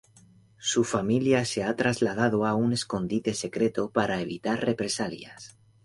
Su familia se ha trasladado a un escondite secreto para evitar represalias.